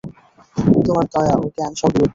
তোমার দয়া ও জ্ঞান সর্বব্যাপী।